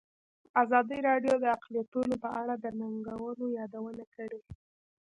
ازادي راډیو د اقلیتونه په اړه د ننګونو یادونه کړې.